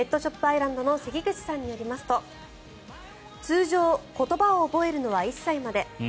アイランドの関口さんによりますと通常言葉を覚えるのは１歳まで。